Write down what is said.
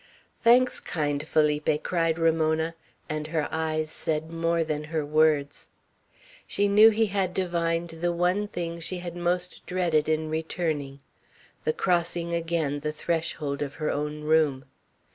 "Thanks, kind Felipe!" cried Ramona, and her eyes said more than her words. She knew he had divined the one thing she had most dreaded in returning, the crossing again the threshold of her own room.